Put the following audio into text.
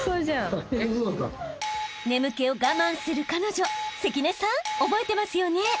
［眠気を我慢する彼女関根さん覚えてますよね？］